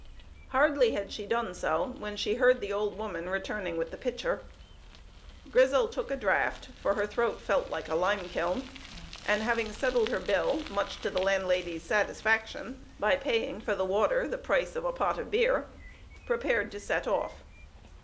Hardly had she done so when she heard the old woman returning with the pitcher. Grizel took a draught, for her throat felt like a lime kiln, and having settled her bill, much to the landlady's satisfaction, by paying for the water the price of a pot of beer, prepared to set off.